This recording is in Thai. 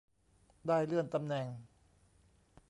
ได้เลื่อนตำแหน่ง